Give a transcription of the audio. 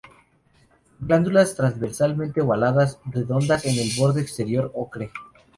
Glándulas transversalmente ovaladas, redondeadas en el borde exterior, ocre.